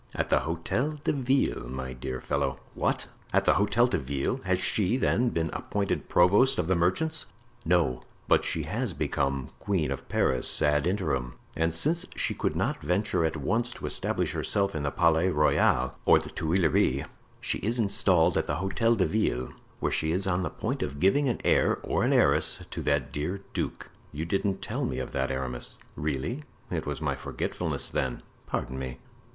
"At the Hotel de Ville, my dear fellow." "What! at the Hotel de Ville? Has she, then, been appointed provost of merchants?" "No; but she has become queen of Paris, ad interim, and since she could not venture at once to establish herself in the Palais Royal or the Tuileries, she is installed at the Hotel de Ville, where she is on the point of giving an heir or an heiress to that dear duke." "You didn't tell me of that, Aramis." "Really? It was my forgetfulness then; pardon me."